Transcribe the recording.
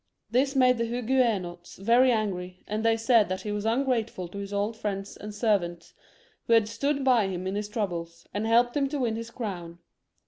This made the Huguenots very angry, and they said that he was ungrateful to his old Mends and servants who had stood by him in his troubles, and helped him to win his crown.